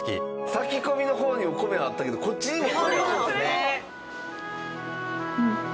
炊き込みの方にも米あったけどこっちにも米あるんですね。